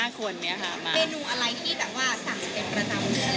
เมนูอะไรที่แบบว่าสั่งจะเป็นประจำ